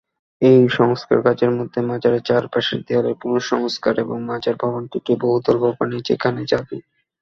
এই সংস্কার কাজের মধ্যে মাজারের চারপাশের দেয়ালের পুনঃসংস্কার এবং মাজার ভবনটিকে বহুতল ভবনে যেখানে যাদু।